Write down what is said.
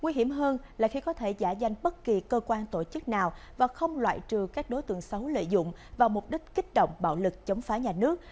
nguy hiểm hơn là khi có thể giả danh bất kỳ cơ quan tổ chức nào và không loại trừ các đối tượng xấu lợi dụng vào mục đích kích động bạo lực chống phá nhà nước